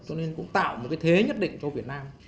cho nên cũng tạo một cái thế nhất định cho việt nam